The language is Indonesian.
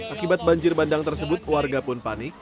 akibat banjir bandang tersebut warga pun panik